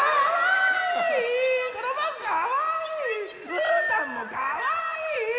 うーたんもかわいい！